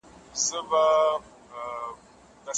ډېر مو په لیلا پسي تڼاکي سولولي دي